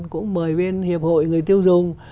cũng mời bên hiệp hội người tiêu dùng